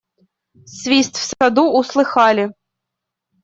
Свист в саду услыхали.